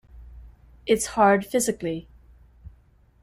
It's hard physically.